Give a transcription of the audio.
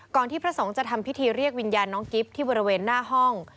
ที่พระสงฆ์จะทำพิธีเรียกวิญญาณน้องกิฟต์ที่บริเวณหน้าห้อง